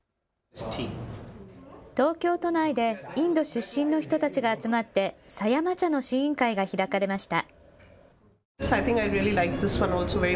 東京都内でインド出身の人たちが集まって狭山茶の試飲会が開かれました。